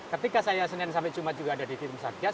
ketika saya senin sampai jumat juga ada di tim satgas